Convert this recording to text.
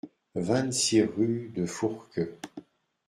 vingt-six rue de Fourqueux